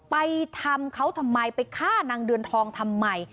ไปทำเขาทำไมไปฆ่านางเดือนทองทำไม